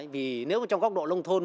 vì nếu trong góc độ lông thôn